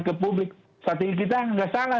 ke publik strategi kita nggak salah